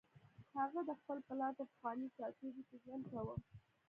هغه د خپل پلار په پخواني ټاټوبي کې ژوند کاوه